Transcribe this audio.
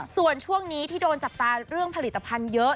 ส่วนช่วงนี้ที่โดนจับตาเรื่องผลิตภัณฑ์เยอะ